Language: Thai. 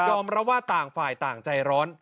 รับว่าต่างฝ่ายต่างใจร้อน